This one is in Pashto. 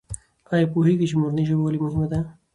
آیا پوهېږې چې مورنۍ ژبه ولې مهمه ده؟